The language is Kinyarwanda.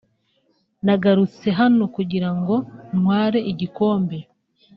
nagarutse hano kugira ngo ntware igikombe